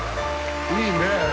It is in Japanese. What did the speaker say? いいね。